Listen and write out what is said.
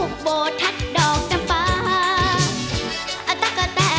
อะไรน่ะ